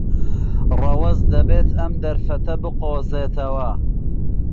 ڕەوەز دەبێت ئەم دەرفەتە بقۆزێتەوە.